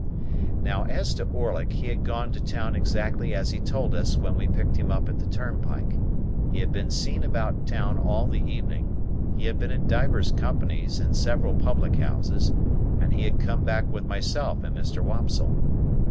Now, as to Orlick; he had gone to town exactly as he told us when we picked him up at the turnpike, he had been seen about town all the evening, he had been in divers companies in several public houses, and he had come back with myself and Mr. Wopsle.